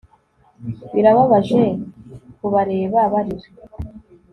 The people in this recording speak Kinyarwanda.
birababajekubareba barira